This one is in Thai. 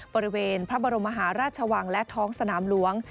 บริเวณพระบรมมหาราชวังและท้องสนามหลวง